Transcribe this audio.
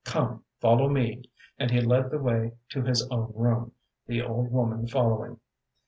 Come, follow me! ŌĆØ and he led the way to his own room, the old woman following.